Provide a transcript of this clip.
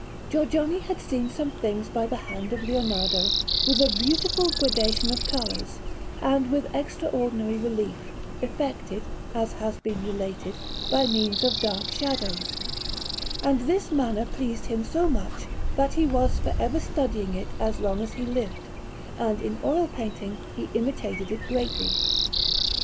Giorgione had seen some things by the hand of Leonardo with a beautiful gradation of colours, and with extraordinary relief, effected, as has been related, by means of dark shadows; and this manner pleased him so much that he was for ever studying it as long as he lived, and in oil painting he imitated it greatly.